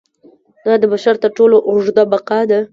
دا د بشر تر ټولو اوږده بقا ده.